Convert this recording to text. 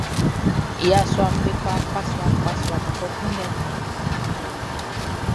Yasuaʼm be kɔ akpasuaakpasua be ko kunndɛ nnɛn.